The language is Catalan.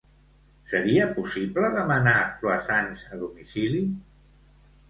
Seria possible demanar croissants a domicili?